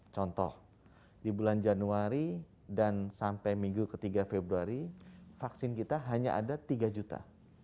contoh di bulan januari dan sampai minggu ketiga februari vaksin kita hanya ada tiga juta